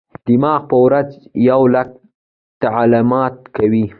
دماغ په ورځ یو لک تعاملات کوي.